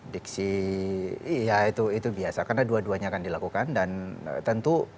diksi iya itu biasa karena dua duanya akan dilakukan dan tentu